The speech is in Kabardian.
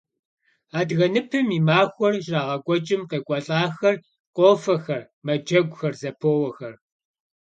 Адыгэ ныпым и махуэр щрагъэкӏуэкӏым къекӏуэлӏахэр къофэхэр, мэджэгухэр, зэпоуэхэр.